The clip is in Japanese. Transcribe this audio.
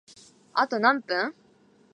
あと何分？